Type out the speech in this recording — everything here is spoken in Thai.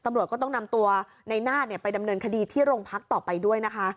ตำรวจก็ต้องนำตัวในนาฏไปดำเนินคดีที่โรงพักต่อไปด้วยนะคะ